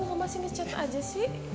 enggak masih nge chat aja sih